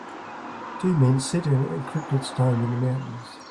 two men sit at a encripted stone in the mountains.